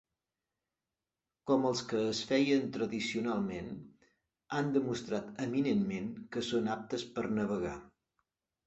Com els que es feien tradicionalment, han demostrat eminentment que són aptes per navegar.